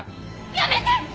やめて！